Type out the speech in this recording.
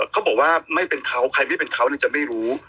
เขาบอกว่าไม่เป็นเขาใครไม่เป็นเขาจะไม่รู้